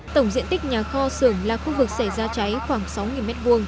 tổng diện tích nhà kho xưởng là khu vực xảy ra cháy khoảng sáu m hai